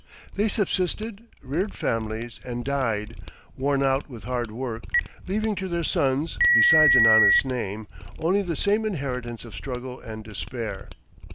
They subsisted, reared families, and died, worn out with hard work, leaving to their sons, besides an honest name, only the same inheritance of struggle and despair.